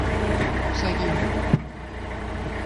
Seguim.